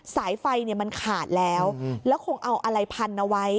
สายไฟเนี่ยมันขาดแล้วแล้วคงเอาอะไรพันเอาไว้